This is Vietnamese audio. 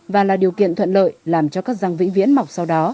và là điều kiện thuận lợi làm cho các giang vĩnh viễn mọc sau đó